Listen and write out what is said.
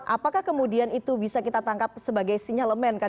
apakah kemudian itu bisa kita tangkap sebagai sinyalemen